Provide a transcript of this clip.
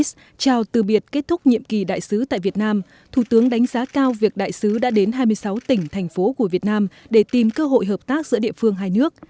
sau từ biệt kết thúc nhiệm kỳ đại sứ tại việt nam thủ tướng đánh giá cao việc đại sứ đã đến hai mươi sáu tỉnh thành phố của việt nam để tìm cơ hội hợp tác giữa địa phương hai nước